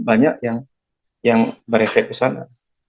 banyak yang yang berefek kesana